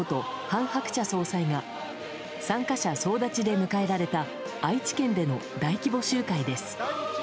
韓鶴子総裁が参加者総立ちで迎えられた愛知県での大規模集会です。